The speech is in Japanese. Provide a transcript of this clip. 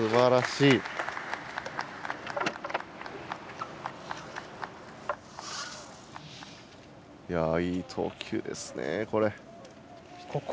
いい投球ですね、これ。